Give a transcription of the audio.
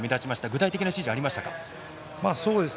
具体的な指示はありましたか？